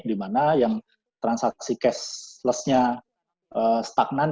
dimana yang transaksi cashlessnya stagnan